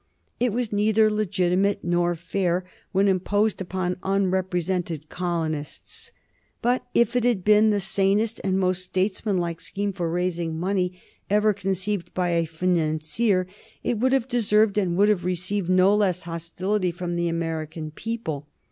It was neither legitimate nor fair when imposed upon unrepresented colonists. But if it had been the sanest and most statesmanlike scheme for raising money ever conceived by a financier, it would have deserved and would have received no less hostility from the American people.